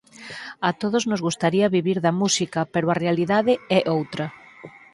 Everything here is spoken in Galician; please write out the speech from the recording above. "A todos nos gustaría vivir da música pero a realidade é outra.